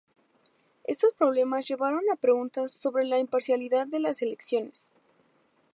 Estos problemas llevaron a preguntas sobre la imparcialidad de las elecciones.